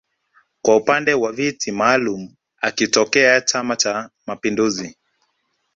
kwa upande wa viti maalum akitokea chama cha mapinduzi